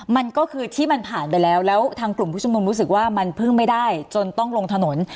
มันก็คือที่มันผ่านไปแล้วแล้วทางกลุ่มผู้ชมนุมรู้สึกว่ามันพึ่งไม่ได้จนต้องลงถนน